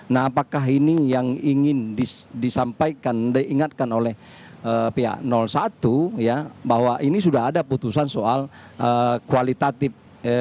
nah apakah ini yang ingin disampaikan diingatkan oleh pihak satu ya bahwa ini sudah ada putusan soal kualitatif